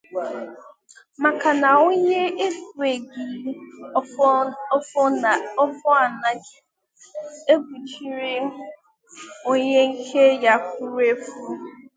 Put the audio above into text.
maka na onye enweghị ọfọ anaghị egbuchiri onye nke ya furu efu.